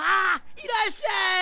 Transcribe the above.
いらっしゃい！